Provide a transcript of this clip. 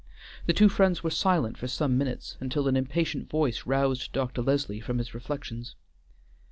The two friends were silent for some minutes, until an impatient voice roused Dr. Leslie from his reflections.